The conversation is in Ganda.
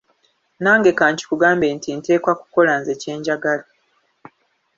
Nange ka nkikugambe nti nteekwa kukola nze kye njagala.